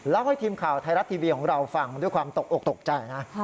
ให้ทีมข่าวไทยรัฐทีวีของเราฟังด้วยความตกออกตกใจนะ